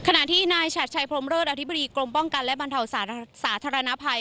ขณะที่นายฉัดชัยพรมเศษอธิบดีกรมป้องกันและบรรเทาสาธารณภัย